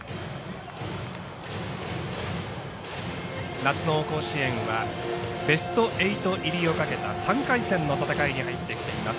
夏の甲子園はベスト８入りをかけた３回戦の戦いに入ってきています。